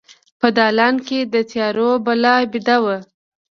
په دالان کې د تیارو بلا بیده وه